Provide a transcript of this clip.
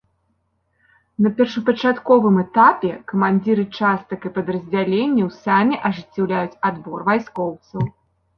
На першапачатковым этапе камандзіры частак і падраздзяленняў самі ажыццяўляюць адбор вайскоўцаў.